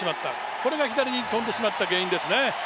これが左に飛んでしまった原因ですね。